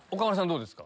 どうですか？